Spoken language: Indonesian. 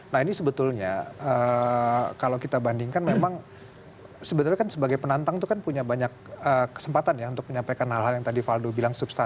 nah ini sebetulnya kalau kita bandingkan memang sebetulnya kan sebagai penantang itu kan punya banyak kesempatan ya untuk menyampaikan hal hal yang tadi valdo bilang